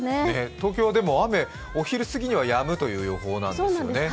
東京は雨、お昼すぎにはやむという予報なんですよね。